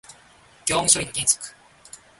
業務処理の原則